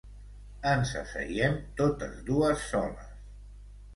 Ens asseiem totes dues soles.